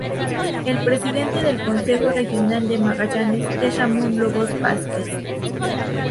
El presidente del Consejo Regional de Magallanes es Ramón Lobos Vásquez.